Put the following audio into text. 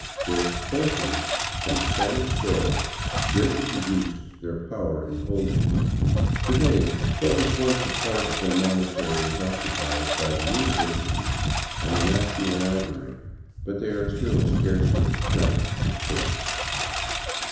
Their expulsion from Spanish soil greatly reduced their power and holdings. To day, what was once a part of their monastery is occupied by the University and the National Library, but they are still scarcely cramped for space.